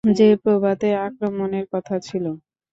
যে প্রভাতে আক্রমণের কথা ছিল।